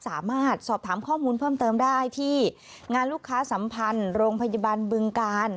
สามารถสอบถามข้อมูลเพิ่มเติมได้ที่งานลูกค้าสัมพันธ์โรงพยาบาลบึงกาล